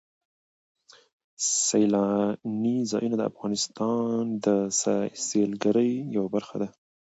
سیلاني ځایونه د افغانستان د سیلګرۍ یوه برخه ده.